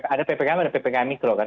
ada ppkm ada ppkm mikro kan